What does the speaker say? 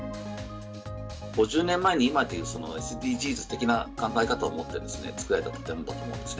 ５０年前に今でいうＳＤＧｓ的な考え方をもって造られた建物だと思うんですね。